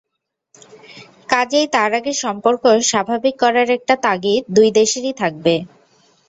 কাজেই তার আগে সম্পর্ক স্বাভাবিক করার একটা তাগিদ দুই দেশেরই থাকবে।